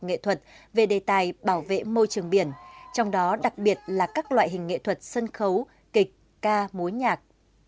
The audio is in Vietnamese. nghệ thuật về đề tài bảo vệ môi trường biển trong đó đặc biệt là các loại hình nghệ thuật sân khấu kịch ca mối nhạc